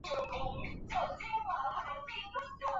吕克莫。